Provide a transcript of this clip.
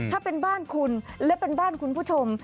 ถ้าเป็นบ้านคุณและเป็นบ้านคุณผู้ชม